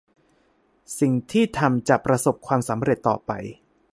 สิ่งที่ทำจะประสบความสำเร็จต่อไป